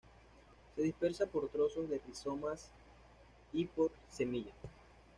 Se dispersa por trozos de rizomas y por semilla.